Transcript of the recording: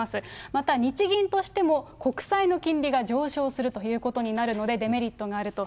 また、日銀としても国債の金利が上昇するということになるので、デメリットがあると。